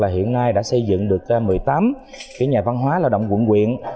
hiện nay đã xây dựng được một mươi tám nhà văn hóa lao động quận quyện